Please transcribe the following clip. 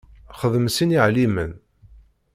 Xdem sin iɛellimen.